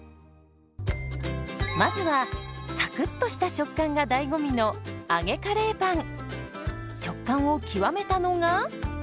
まずはサクッとした食感が醍醐味の食感を極めたのが。